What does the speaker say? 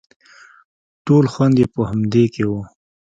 ټول خوند يې په همدې کښې و.